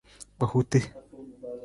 Kpahuta.